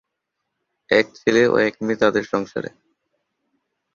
এক ছেলে ও এক মেয়ে তাদের সংসারে।